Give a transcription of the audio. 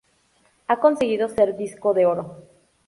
Ha conseguido ser disco de oro.